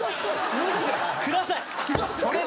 むしろください！